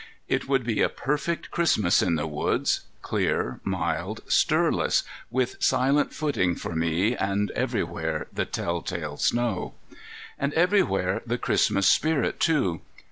It would be a perfect Christmas in the woods, clear, mild, stirless, with silent footing for me, and everywhere the telltale snow. And everywhere the Christmas spirit, too.